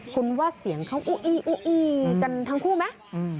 คุณว่าเสียงเค้าอู๊อีกันทั้งคู่ไหม